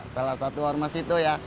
salah satu ormas itu